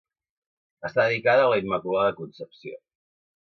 Està dedicada a la Immaculada Concepció.